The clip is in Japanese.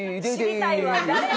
知りたいわ誰？